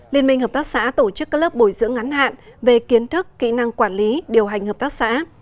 liên minh hợp tác xã tổ chức các lớp bồi dưỡng ngắn hạn về kiến thức kỹ năng quản lý điều hành hợp tác xã